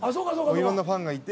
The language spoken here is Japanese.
いろんなファンがいて。